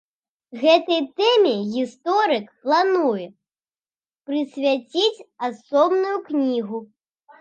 Гэтай тэме гісторык плануе прысвяціць асобную кнігу.